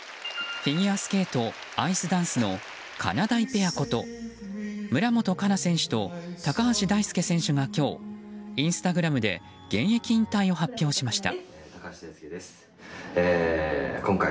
フィギュアスケートアイスダンスのかなだいペアこと村元哉中選手と高橋大輔選手が今日インスタグラムで現役引退を発表しました。